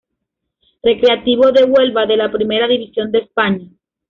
Recreativo de Huelva de la Primera División de España.